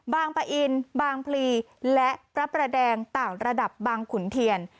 ปะอินบางพลีและพระประแดงต่างระดับบางขุนเทียน